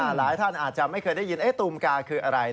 หลายท่านอาจจะไม่เคยได้ยินตูมกาคืออะไร